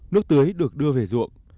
nước tưới được đưa về ruộng